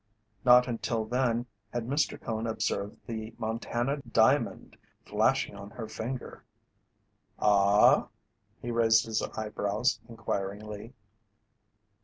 Not until then had Mr. Cone observed the Montana diamond flashing on her finger. "Ah h?" He raised his eyebrows inquiringly.